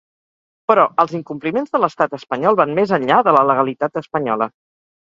Però els incompliments de l’estat espanyol van més enllà de la legalitat espanyola.